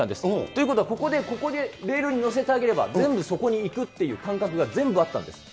ということは、ここでレールに載せてあげれば、全部そこに行くっていう感覚が全部あったんです。